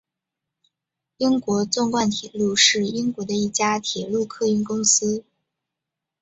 英国纵贯铁路是英国的一家铁路客运公司。